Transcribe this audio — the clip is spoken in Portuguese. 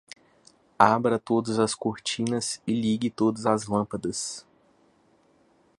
Abra todas as cortinas e ligue todas as lâmpadas